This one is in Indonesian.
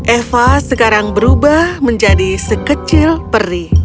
eva sekarang berubah menjadi sekecil peri